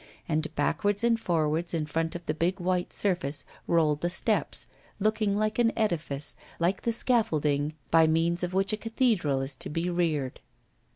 And backwards and forwards in front of the big white surface rolled the steps, looking like an edifice, like the scaffolding by means of which a cathedral is to be reared.